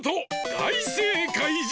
だいせいかいじゃ！